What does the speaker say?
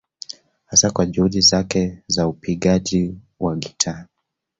Hasa kwa juhudi zake za upigaji wa gitaa